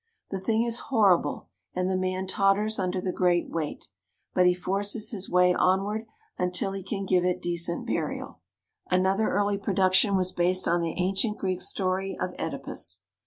The thing is horrible, and the man totters under the great weight; but he forces his way onward until he can give it decent burial. Another early production was based on the ancient Greek story of Oedi pus.